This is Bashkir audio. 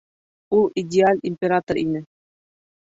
Ул идеаль император ине.